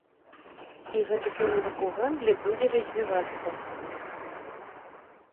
І гэты кірунак у гандлі будзе развівацца.